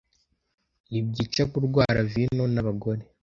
Nibyica kurwara vino nabagore